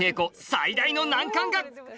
最大の難関が！？